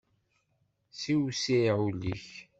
Siwsiɛ ul-ik.